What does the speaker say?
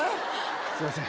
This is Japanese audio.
すいません。